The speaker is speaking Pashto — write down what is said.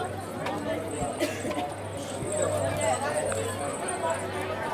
د خپلو ګناهونو څخه توبه کول او د الله مغفرت غوښتل.